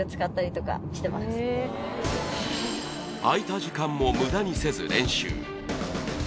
空いた時間も無駄にせず練習。